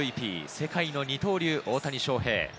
世界の二刀流・大谷翔平。